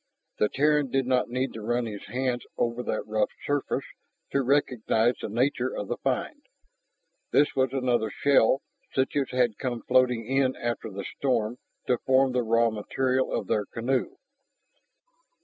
The Terran did not need to run his hands over that rough surface to recognize the nature of the find. This was another shell such as had come floating in after the storm to form the raw material of their canoe.